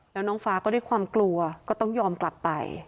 แล้วน้องฟ้าก็ด้วยความกลัวก็ต้องยอมกลับไป